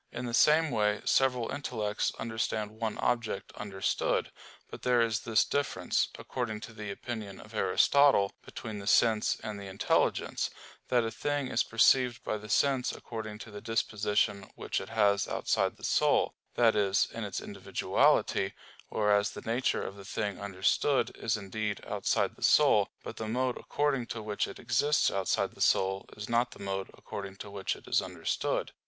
In the same way several intellects understand one object understood. But there is this difference, according to the opinion of Aristotle, between the sense and the intelligence that a thing is perceived by the sense according to the disposition which it has outside the soul that is, in its individuality; whereas the nature of the thing understood is indeed outside the soul, but the mode according to which it exists outside the soul is not the mode according to which it is understood.